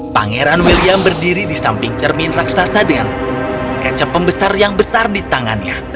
pangeran william berdiri di samping cermin raksasa dengan kecap pembesar yang besar di tangannya